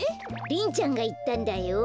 リンちゃんがいったんだよ。